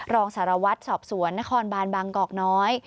รองสารวัตรสอบสวนนครบานบางกอกน้อย